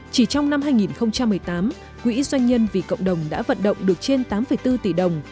chỉ trong năm hai nghìn một mươi tám quỹ doanh nhân vì cộng đồng đã vận động được trên tám bốn tỷ đồng